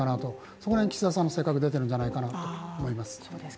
その辺、岸田さんの性格が出ているんじゃないかなと思います。